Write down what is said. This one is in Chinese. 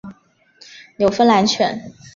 纽芬兰犬。